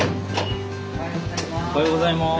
おはようございます。